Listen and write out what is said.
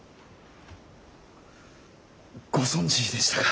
ご存じでしたか。